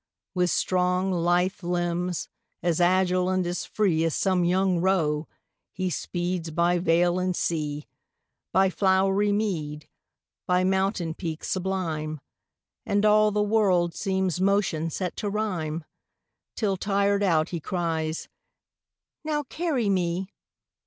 With strong, lithe limbs, as agile and as free, As some young roe, he speeds by vale and sea, By flowery mead, by mountain peak sublime, And all the world seems motion set to rhyme, Till, tired out, he cries, "Now carry me!"